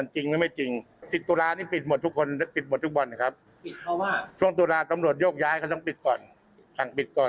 ช่วงสุดระตำรวจโยคย้ายก็ต้องปิดก่อน